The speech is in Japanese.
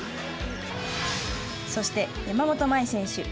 そして山本麻衣選手。